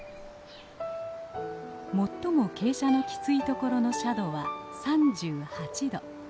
最も傾斜のきついところの斜度は３８度。